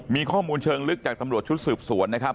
มีข้อมูลเชิงลึกจากตำรวจชุดสืบสวนนะครับ